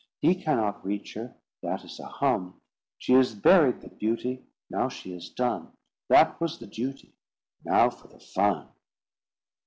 "He cannot reach her— That is a hum." "She is buried, the beauty!" "Now she is done." "That was the duty." "Now for the fun."